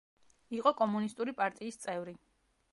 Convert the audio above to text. იყო კომუნისტური პარტიის წევრი.